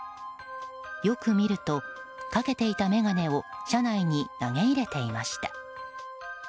よく見るとかけていた眼鏡を車内に投げ入れていました。